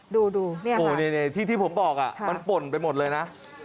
ดูที่ผมบอกมันป่นไปหมดเลยนะ